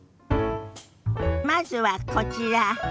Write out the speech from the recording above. まずはこちら。